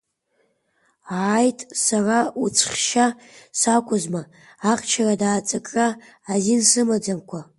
Ааит, сара уцәхьча сакәызма, ахьчарада аҵакра азин сымаӡамкәа!